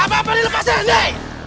apa apaan dilepasin nenek